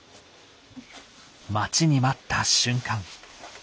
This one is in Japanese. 待ちに待った瞬間。